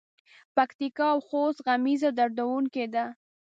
پکتیکا او خوست غمیزه دردوونکې ده.